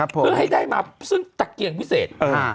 เพื่อให้ได้มาซึ่งตะเกียงวิเศษ